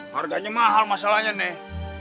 harganya mahal masalahnya nih